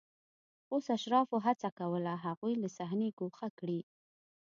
اوس اشرافو هڅه کوله هغوی له صحنې ګوښه کړي